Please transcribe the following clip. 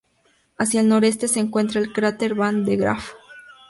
Hacia el noreste se encuentra el cráter Van De Graaff.